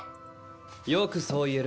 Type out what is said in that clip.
よくそう言える。